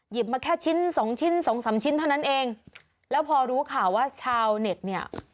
มาแค่ชิ้นสองชิ้นสองสามชิ้นเท่านั้นเองแล้วพอรู้ข่าวว่าชาวเน็ตเนี่ย